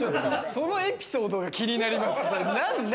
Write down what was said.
そのエピソードが気になります。